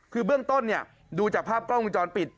คือเบื้องต้นเนี่ยดูจากภาพกล้องวงจรปิด